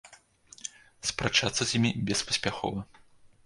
Спрачацца з імі беспаспяхова.